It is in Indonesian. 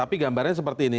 tapi gambarnya seperti ini